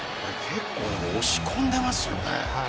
結構、押し込んでますよね。